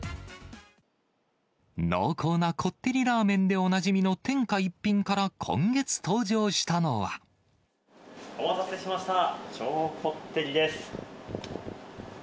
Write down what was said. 濃厚なこってりラーメンでおなじみの天下一品から今月、登場したお待たせしました。